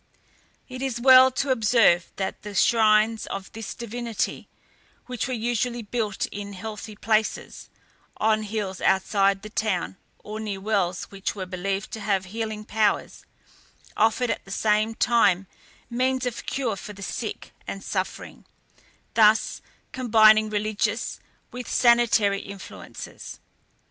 It is well to observe that the shrines of this divinity, which were usually built in healthy places, on hills outside the town, or near wells which were believed to have healing powers, offered at the same time means of cure for the sick and suffering, thus combining religious with sanitary influences.